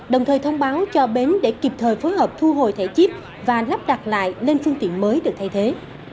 đồng thời thông báo cho bến để kịp thời phối hợp thu hồi thẻ chip và lắp đặt lại lên phương tiện mới được thay thế